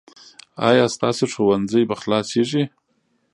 ایا ستاسو ښوونځی به خلاصیږي؟